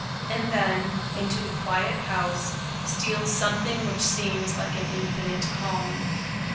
And then, into the quiet house, steals something which seems like an infinite calm.